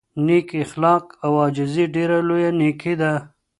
نېک اخلاق او عاجزي ډېره لویه نېکي ده.